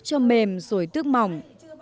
cho mềm rồi tước mỏng